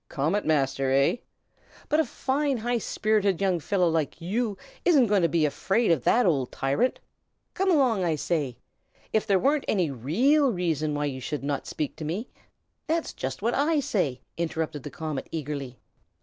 Comet Master, eh? But a fine high spirited young fellow like you isn't going to be afraid of that old tyrant. Come along, I say! If there were any real reason why you should not speak to me " "That's just what I say," interrupted the comet, eagerly.